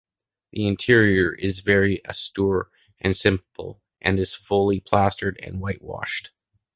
The interior is very austere and simple and is fully plastered and whitewashed.